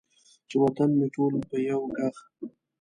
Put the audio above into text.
چې وطن مې ټول په یو ږغ،